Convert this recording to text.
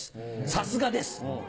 さすがです！